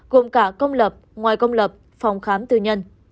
gồm cả công lập ngoài công lập phòng khám tư nhân